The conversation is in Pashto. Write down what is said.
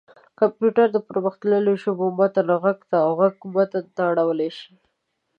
کمپيوټر د پرمختلليو ژبو متن غږ ته او غږ متن ته اړولی شي.